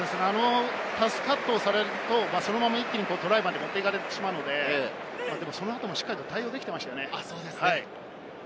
パスカットをされると、そのまま一気にトライまで持っていかれてしまうので、その後もしっかり対応できていましたね。